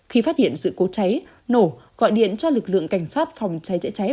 khi phát hiện sự cố cháy nổ gọi điện cho lực lượng cảnh sát phòng cháy chữa cháy